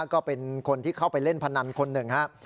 ก็เป็นคนที่เข้าไปเล่นพนันคนหนึ่งครับ